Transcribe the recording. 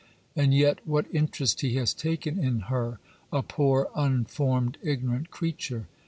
and yet, what interest he has taken in her, a poor, unformed, ignorant creature!